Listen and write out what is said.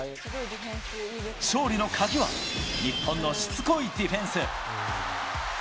勝利の鍵は、日本のしつこいディフェンス。